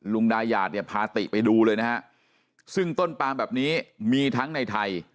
ดายาทเนี่ยพาติไปดูเลยนะฮะซึ่งต้นปามแบบนี้มีทั้งในไทย